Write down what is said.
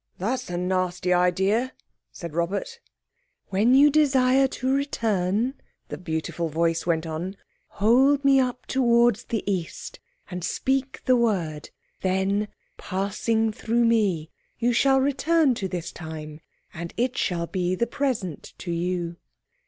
"That's a nasty idea," said Robert. "When you desire to return," the beautiful voice went on, "hold me up towards the East, and speak the word. Then, passing through me, you shall return to this time and it shall be the present to you."